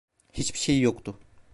Hiçbir şeyi yoktu.